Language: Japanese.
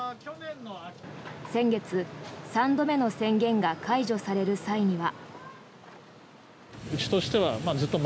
先月、３度目の宣言が解除される際には。